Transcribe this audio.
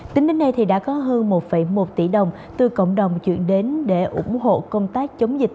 tính đến nay thì đã có hơn một một tỷ đồng từ cộng đồng chuyển đến để ủng hộ công tác chống dịch